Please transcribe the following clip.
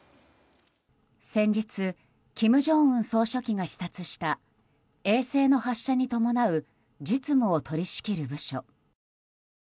先日、金正恩総書記が視察した衛星の発射に伴う実務を取り仕切る部署。